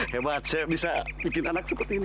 hebat saya bisa bikin anak seperti ini